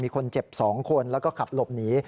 มีคนเจ็บ๒คนแล้วก็ขับหลบหนี